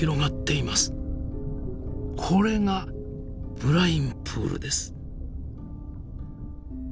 これがブラインプールです。